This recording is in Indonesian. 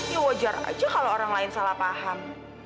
ya wajar aja kalau orang lain salah paham